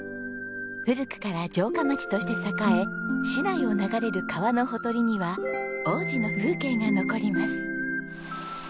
古くから城下町として栄え市内を流れる川のほとりには往時の風景が残ります。